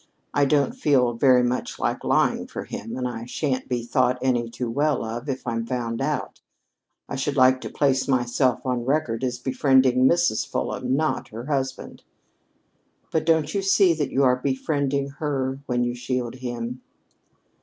I don't feel very much like lying for him, and I shan't be thought any too well of if I'm found out. I should like to place myself on record as befriending Mrs. Fulham, not her husband." "But don't you see that you are befriending her when you shield him?"